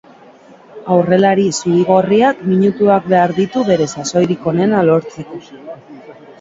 Aurrelari zuri-gorriak minutuak behar ditu bere sasoirik onena lortzeko.